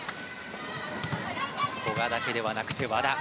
古賀だけではなくて和田。